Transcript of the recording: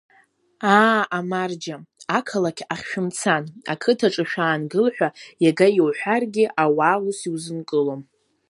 Аа, амарџьа, ақалақь ахь шәымцан, ақыҭаҿы шәаангыл ҳәа иага иуҳәаргьы, ауаа ус иузынкылом.